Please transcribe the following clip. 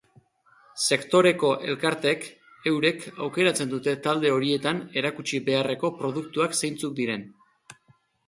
Sektoreko elkarteek eurek aukeratzen dute tarte horietan erakutsi beharreko produktuak zeintzuk diren.